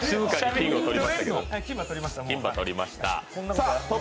金歯、取りました。